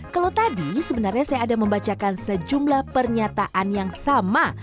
kalau tadi sebenarnya saya ada membacakan sejumlah pernyataan yang sama